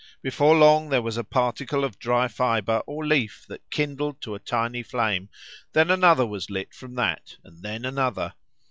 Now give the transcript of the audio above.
Before long there was a particle of dry fibre or leaf that kindled to a tiny flame; then another was lit from that, and then another.